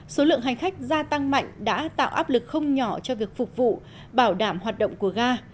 số lượng hành khách gia tăng mạnh đã tạo áp lực không nhỏ cho việc phục vụ bảo đảm hoạt động của ga